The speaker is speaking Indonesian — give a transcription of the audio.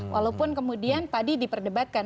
walaupun kemudian tadi diperdebatkan